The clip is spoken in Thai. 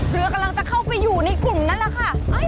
เรือกำลังจะเข้าไปอยู่ในกลุ่มนั้นแหละค่ะ